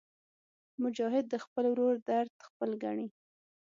مجاهد د خپل ورور درد خپل ګڼي.